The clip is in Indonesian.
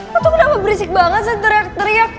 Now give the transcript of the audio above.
lo tuh kenapa berisik banget sedang teriak teriak